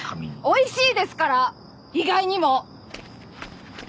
おいしいですから意外にも！